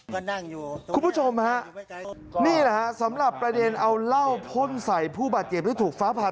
คุณผู้ชมนี่แหละสำหรับประเด็นเอาเล่าพ่นใส่ผู้บาดเจ็บหรือถูกฟ้าผ่า